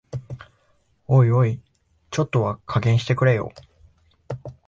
おいおい、ちょっとは加減してくれよ